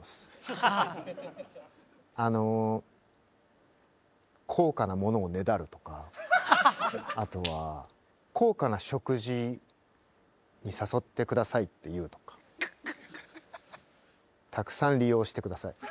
あの高価なものをねだるとかあとは高価な食事に誘って下さいって言うとかたくさん利用して下さい。